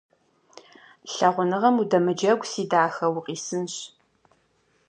Лъагъуныгъэм удэмыджэгу, си дахэ, укъисынщ.